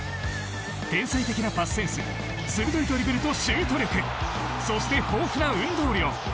天才的なパスセンス鋭いドリブルとシュート力そして、豊富な運動量。